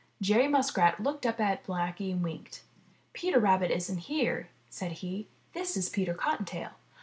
Jerry Muskrat looked up at Blacky and winked. 'Teter Rabbit isn't here," said he. 'This is Peter Cottontail."